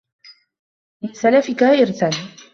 مَنْ سَلَفِك إرْثًا